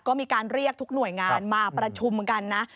ก็มีการเรียกทุกหน่วยงานมาประชุมกันนะ